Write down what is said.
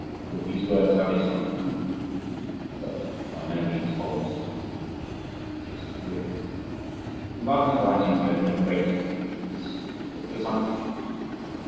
With these words I would say something complimentary, but by no means wholly so. 63. In Wagner's writings there is no greatness or peace, but presumption.